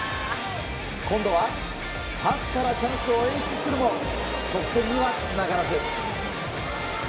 今度はパスからチャンスを演出するも得点にはつながらず。